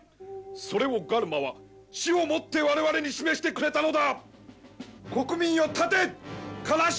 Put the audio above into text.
それをガルマは死をもって我々に示してくれたのだ！